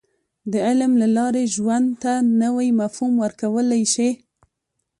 • د علم له لارې، ژوند ته نوی مفهوم ورکولی شې.